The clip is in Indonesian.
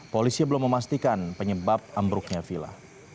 polisi belum memastikan penyebab ambruknya vila